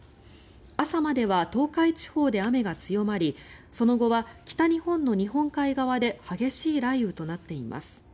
朝までは東海地方で雨が強まりその後は北日本の日本海側で激しい雷雨となっています。